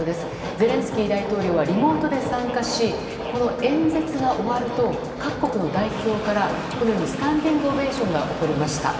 ゼレンスキー大統領はリモートで参加しこの演説が終わると各国の代表からスタンディングオベーションが起こりました。